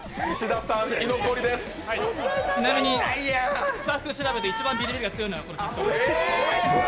ちなみにスタッフ調べで一番ビリビリが強いのはこのピストルです。